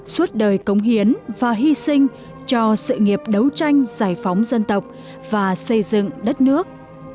suốt đời cống hiến và hy sinh cho sự nghiệp đấu tranh giải phóng dân tộc và xây dựng đất nước